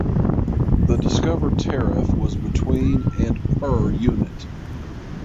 The discovered tariff was between and per unit.